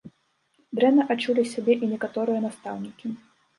Дрэнна адчулі сябе і некаторыя настаўнікі.